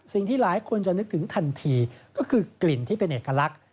สิ่งที่หลายคนจะนึกถึงทันทีก็คือกลิ่นที่เป็นเอกลักษณ์